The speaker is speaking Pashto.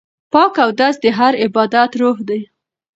پاک اودس د هر عبادت روح دی.